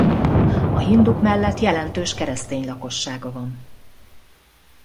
A hinduk mellett jelentős keresztény lakossága van.